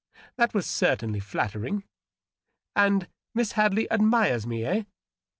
" That was certainly flattering. And Miss Hadley admires me, eh ?"